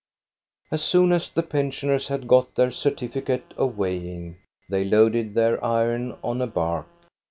As soon as the pensioners had got their certificate of weighing, they loaded their iron on a bark.